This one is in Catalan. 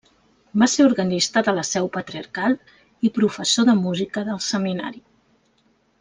Va ser organista de la seu patriarcal i professor de música del Seminari.